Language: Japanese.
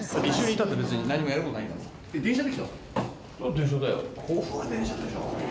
電車だよ。